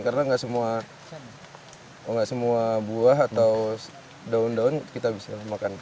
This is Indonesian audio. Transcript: karena enggak semua buah atau daun daun kita bisa makan